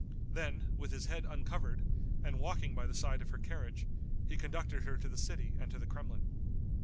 Then, with his head uncovered, and walking by the side of her carriage, he conducted her to the city and to the Kremlin.